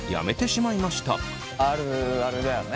あるあるだよね。